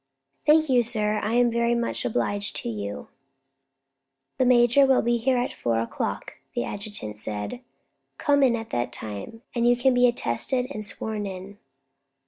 "Thank you, sir, I am very much obliged to you." "The major will be here at four o'clock," the adjutant said; "come in at that time, and you can be attested and sworn in."